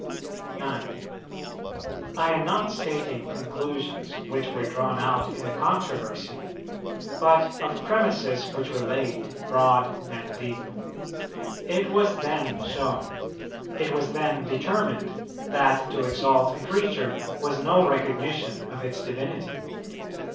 9. I am not stating conclusions which were drawn out in the controversy, but of premisses which were laid, broad and deep. It was then shown, it was then determined, that to exalt a creature was no recognition of its divinity.